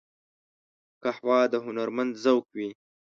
قهوه د هنرمند ذوق وي